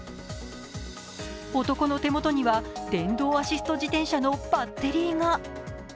男の手元には電動アシスト自転車のバッテリーが。